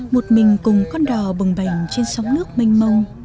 một mình cùng con đò bồng bềnh trên sóng nước mênh mông